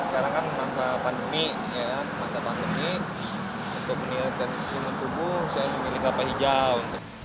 karena kan masa pandemi ya masa pandemi untuk meningkatkan imun tubuh saya memiliki kelapa hijau